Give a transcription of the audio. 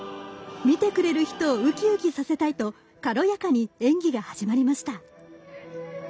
見てくれる人をウキウキさせたいと軽やかに演技が始まりました。